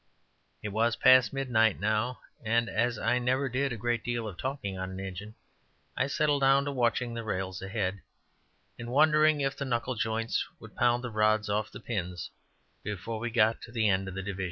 It was past midnight now, and as I never did a great deal of talking on an engine, I settled down to watching the rails ahead, and wondering if the knuckle joints would pound the rods off the pins before we got to the end of the division.